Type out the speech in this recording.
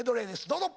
どうぞ！